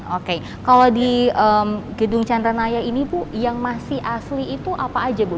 oke kalau di gedung chandranaya ini bu yang masih asli itu apa aja bu